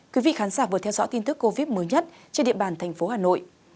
quý vị khán giả vừa theo dõi tin tức covid mới nhất trên địa bàn thành phố hà nội